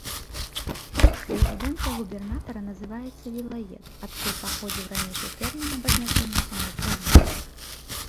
Рэзідэнцыя губернатара называецца вілает, адкуль паходзіў ранейшы тэрмін абазначэння самой правінцыі.